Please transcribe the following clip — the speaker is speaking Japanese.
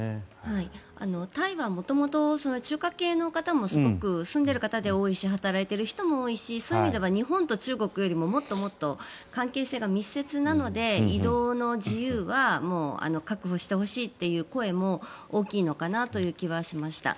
タイは元々、中華系の方もすごく住んでいる方が多いし働いている人も多いしそういう意味では日本と中国よりももっともっと関係性が密接なので移動の自由はもう確保してほしいという声も大きいのかなという気はしました。